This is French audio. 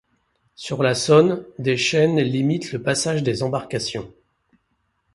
Sur la Saône, des chaînes limitent le passage des embarcations.